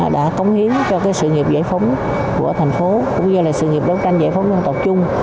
đã cống hiến cho sự nghiệp giải phóng của thành phố cũng như là sự nghiệp đấu tranh giải phóng dân tộc chung